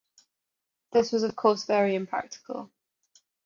This was of course very impractical.